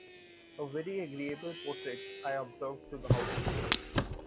‘A very agreeable portrait,’ I observed to the housekeeper.